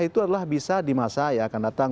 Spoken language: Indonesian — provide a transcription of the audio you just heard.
itu adalah bisa di masa yang akan datang